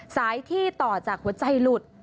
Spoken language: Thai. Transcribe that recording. สายที่ต่อจากหัวใจหลุด